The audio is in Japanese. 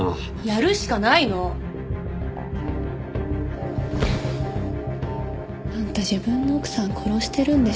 やるしかないの！あんた自分の奥さん殺してるんでしょ。